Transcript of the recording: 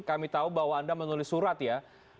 kami tahu bahwa anda menulis surat ya